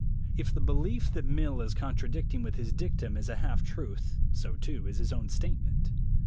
If the belief that Mill is contradicting with his dictum is a half truth, so, too, is his own state ment.